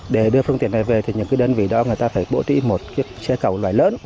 để đưa phương tiện này về những đơn vị đó phải bổ trị một chiếc xe cầu loài lớn